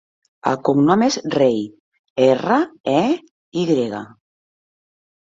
El cognom és Rey: erra, e, i grega.